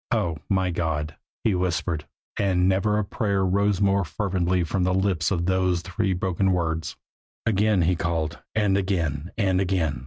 "Oh, my God!" he whispered and never a prayer rose more fervently from lips than those three broken words. Again he called, and again, and again.